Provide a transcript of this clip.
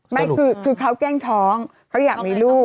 ไม่คือเขาแกล้งท้องเขาอยากมีลูก